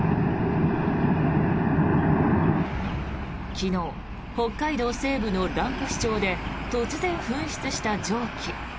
昨日、北海道西部の蘭越町で突然噴出した蒸気。